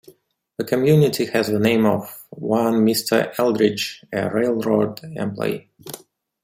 The community has the name of one Mr. Aldrich, a railroad employee.